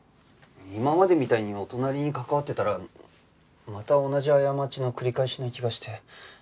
今までみたいにお隣に関わってたらまた同じ過ちの繰り返しな気がして。